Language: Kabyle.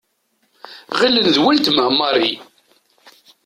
Ɣilen d uletma Marie.